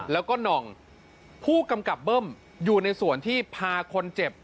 แล้วก็หน่องผู้กำกับเบิ้มอยู่ในส่วนที่พาคนเจ็บ